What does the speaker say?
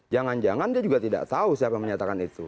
jangan jangan dia juga tidak tahu siapa yang menyatakan itu